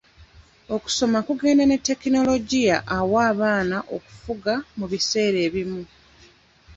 Okusoma kugenda na tekinologiya awa abaana okufuga mu biseera ebimu.